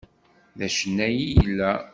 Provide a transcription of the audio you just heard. D acennay i yella.